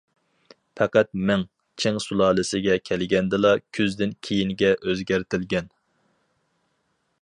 پەقەت مىڭ، چىڭ سۇلالىسىگە كەلگەندىلا كۈزدىن كېيىنگە ئۆزگەرتىلگەن.